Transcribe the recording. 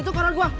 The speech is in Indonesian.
itu karan gua